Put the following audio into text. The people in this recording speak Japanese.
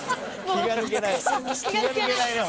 気が抜けないね